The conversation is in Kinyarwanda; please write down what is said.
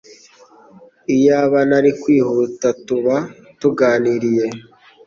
Iyaba ntari kwihuta tuba tuganiriye!